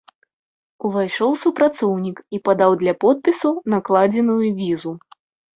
Увайшоў супрацоўнік і падаў для подпісу накладзеную візу.